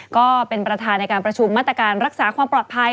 ก็เป็นประธานในการประชุมมาตรการรักษาความปลอดภัย